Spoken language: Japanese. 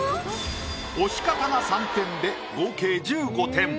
押し方が３点で合計１５点。